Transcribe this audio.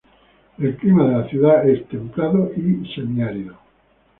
El clima de la ciudad es templado y semi árido.